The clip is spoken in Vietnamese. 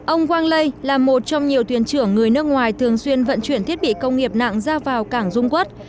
ông quang lây là một trong nhiều tuyển trưởng người nước ngoài thường xuyên vận chuyển thiết bị công nghiệp nặng ra vào cảng dung quốc